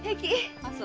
あっそう。